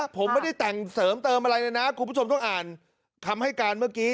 ผมไม่ได้แต่งเสริมเติมอะไรเลยนะคุณผู้ชมต้องอ่านคำให้การเมื่อกี้